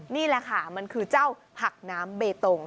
นี่แหละค่ะมันคือเจ้าผักน้ำเบตง